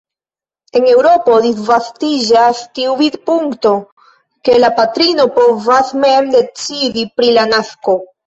En Eŭropo disvastiĝas tiu vidpunkto, ke la patrino povas mem decidi pri la nasko.